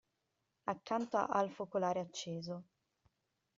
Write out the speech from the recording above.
Accanto al focolare acceso.